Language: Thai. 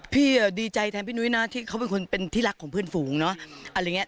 พี่ดีใจแทนพี่หนุ๊ยนะที่เขาเป็นคนที่รักของเพื่อนฝูงเนาะ